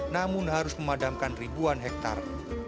namun harus memadamkan ribuan hektare